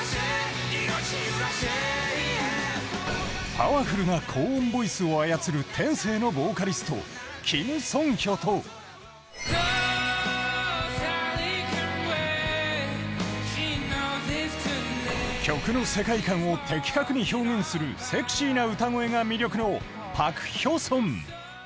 パワフルな高音ボイスを操る天性のボーカリスト、キム・ソンヒョと曲の世界観を的確に表現するセクシーな歌声が魅力のパク・ヒョソン。